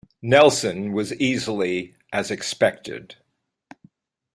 Nelson was easily as expected.